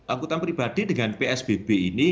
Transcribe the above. angkutan pribadi dengan psbb ini